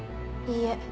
いいえ。